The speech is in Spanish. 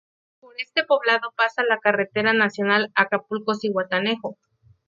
Por este poblado pasa la carretera nacional Acapulco-Zihuatanejo.